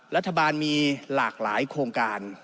รัฐบาลมีหลากหลายโครงการ